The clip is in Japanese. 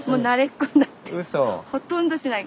ほとんどしない。